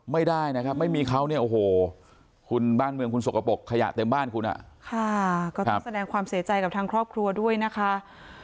มีความเสียใจกับทางครอบครัวด้วยนะคะ